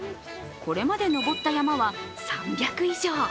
これまで登った山は３００以上。